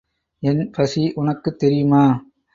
என் பசி உனக்குத் தெரியுமா?